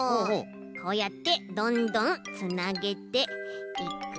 こうやってどんどんつなげていくと。